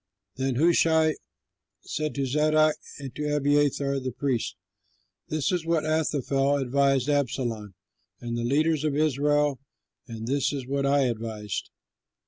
Then Hushai said to Zadok and to Abiathar the priests, "This is what Ahithophel advised Absalom and the leaders of Israel; and this is what I advised.